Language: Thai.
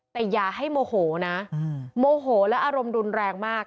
แต่อย่าให้โมโหนะโมโหและอารมณ์รุนแรงมาก